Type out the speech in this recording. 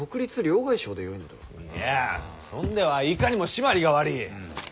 いやそんではいかにも締まりが悪い。